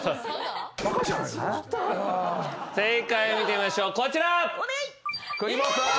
正解を見てみましょうこちら。